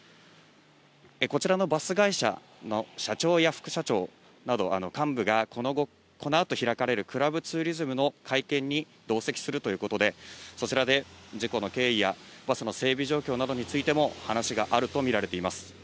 こちらのバス会社の社長や副社長など、幹部が、このあと開かれるクラブツーリズムの会見に同席するということで、そちらで事故の経緯やバスの整備状況などについても話があると見られています。